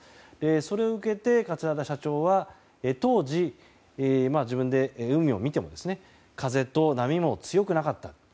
それを受けて桂田社長は当時、自分で海を見ても風と波も強くなかった。